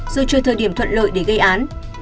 rồi chơi thời điểm thuận lợi để gây án